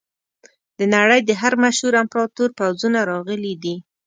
د نړۍ د هر مشهور امپراتور پوځونه راغلي دي.